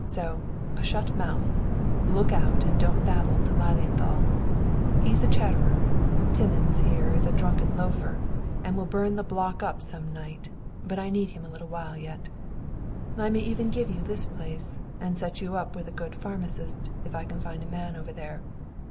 So, a shut mouth; look out and don't babble to Lilienthal. He is a chatterer. Timmins, here, is a drunken loafer, and will burn the block up some night, but I need him a little while yet. "I may even give you this place, and set you up with a good pharmacist, if I can find a man over there.